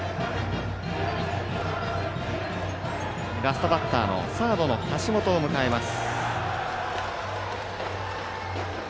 ラストバッターのサードの橋本を迎えます。